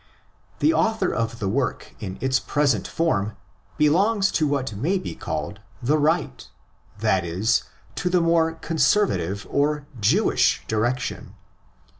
The author of the work in its present form belongs to what may be called the "" right ''—that is, to the more conservative or Jewish direction.